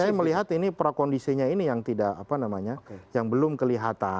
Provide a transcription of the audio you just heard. saya melihat ini prakondisinya ini yang tidak apa namanya yang belum kelihatan